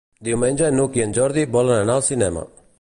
Diumenge n'Hug i en Jordi volen anar al cinema.